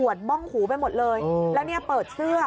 ปวดม่องหูไปหมดเลยแล้วนี่เปิดเสื้อ